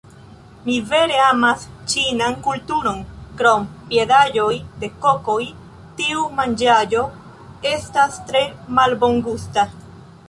Mi vere amas ĉinan kulturon krom piedaĵoj de kokoj tiu manĝaĵo estas tre malbongusta